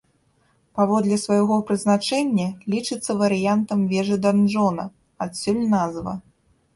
Паводле свайго прызначэння лічыцца варыянтам вежы-данжона, адсюль назва.